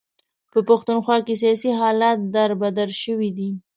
په پښتونخوا کې سیاسي حالات در بدر شوي دي.